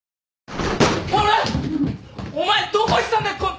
薫お前どこ行ってたんだよこん。